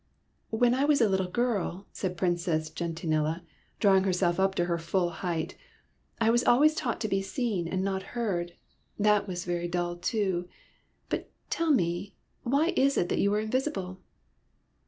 When I was a little girl," said Princess Gentianella, drawing herself up to her full height, " I was always taught to be seen and not heard. That was very dull, too. But tell me, why is it that you are invisible